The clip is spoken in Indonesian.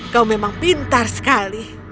kau memang pintar sekali